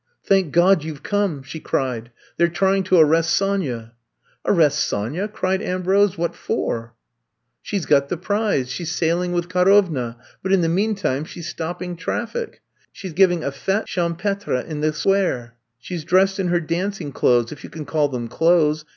Thank God you We cornel'^ she cried. They 're trying to arrest Sonya. '^Arrest Sonya 1^' cried Ambrose. *^What forr* She 's got the prize — she 's sailing with Karovna, but in the meantime she 's stop ping traflSc. She 's giving a fete champetre in the Square. She 's dressed in her danc ing clothes — if you can call them clothes.